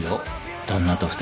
旦那と２人でね。